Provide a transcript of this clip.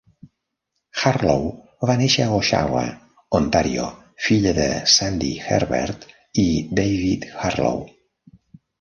Harlow va néixer a Oshawa, Ontario, filla de Sandi Herbert i David Harlow.